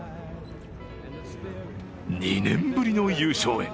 ２年ぶりの優勝へ。